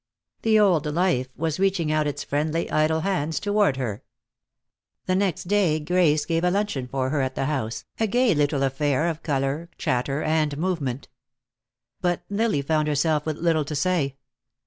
The old life was reaching out its friendly, idle hands toward her. The next day Grace gave a luncheon for her at the house, a gay little affair of color, chatter and movement. But Lily found herself with little to say.